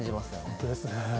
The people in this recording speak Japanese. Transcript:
本当ですね。